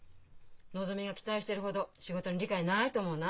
のぞみが期待してるほど仕事に理解ないと思うな。